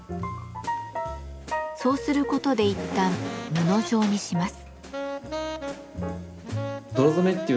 そうすることでいったん布状にします。